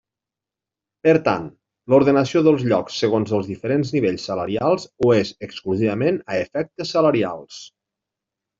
Per tant, l'ordenació dels llocs segons els diferents nivells salarials ho és exclusivament a efectes salarials.